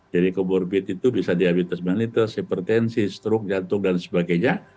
jadi comorbid itu bisa diabetes mellitus hipertensi stroke jantung dan sebagainya